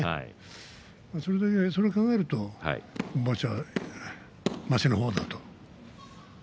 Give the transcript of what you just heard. それを考えると今場所は、ましな方だと。